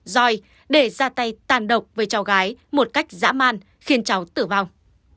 doi để ra tay tàn độc với cháu gái một cách dã man khiến cháu tử vong